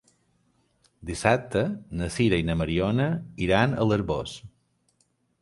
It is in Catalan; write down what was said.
Dissabte na Sira i na Mariona iran a l'Arboç.